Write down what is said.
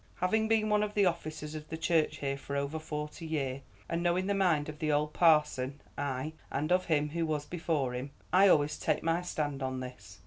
Having been one of the officers of the church here for over forty year, and knowing the mind of the old parson, ay, and of him who was before him, I always take my stand on this.